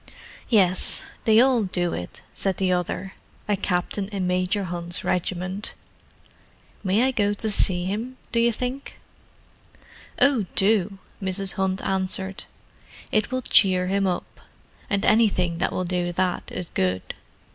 "Yes—they all do it," said the other—a captain in Major Hunt's regiment. "May I go to see him, do you think?" "Oh, do," Mrs. Hunt answered. "It will cheer him up; and anything that will do that is good.